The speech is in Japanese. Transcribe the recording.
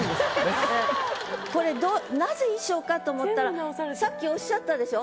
これなぜ衣装かと思ったらさっきおっしゃったでしょ。